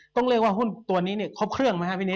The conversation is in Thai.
ต้องเรียกว่าหุ้นตัวนี้เนี่ยครบเครื่องไหมครับพี่นิด